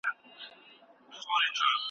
کاردستي د عضلاتو کنټرول زیاتوي.